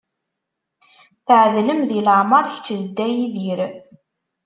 Tɛedlem di leɛmeṛ kečč d Dda Yidir.